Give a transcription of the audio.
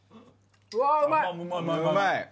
うわーうまい！